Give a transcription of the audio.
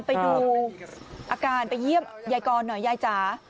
ไปดูอาการไปเยี่ยมยายกรหน่อยยายจ๋า